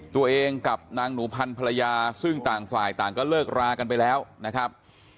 ตัวเองกับนางหนูพันธ์ภรรยาซึ่งต่างฝ่ายต่างก็เลิกรากันไปแล้วนะครับ